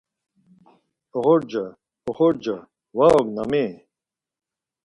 Oxorca oxorca va ognami!